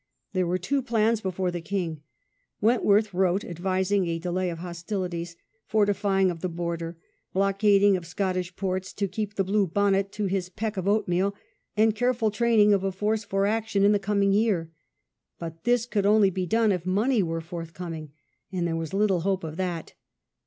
There were two plans before the king. \Ventworth wrote advising a delay of hostilities, fortifying of the border, blockading of Scottish ports, to " keep the blue bonnet to his peck of oatmeal", and careful training of a force for action in the coming year. But this could only be done if money were forthcoming, and there was little hope of that.